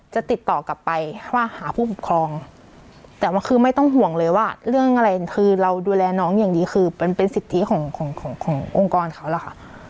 จะติดต่อกลับไปว่าหาผู้ปกครองแต่ว่าคือไม่ต้องห่วงเลยว่าเรื่องอะไรคือเราดูแลน้องอย่างดีคือมันเป็นสิทธิของขององค์กรเขาล่ะค่ะ